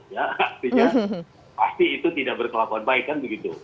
artinya pasti itu tidak berkelakuan baik kan begitu